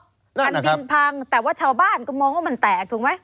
อันดินพังแต่ว่าชาวบ้านก็มองว่ามันแตกถูกไหม